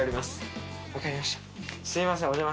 すいません